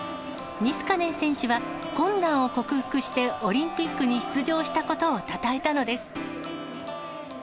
ニスカネン選手は、困難を克服してオリンピックに出場したことをたたえたのです。